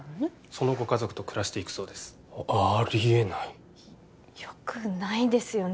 そのご家族と暮らしていくそうですありえないよくないですよね